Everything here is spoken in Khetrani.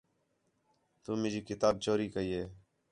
تُو مینجی کتاب چوری کَئی ہے